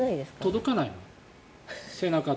届かないの、背中。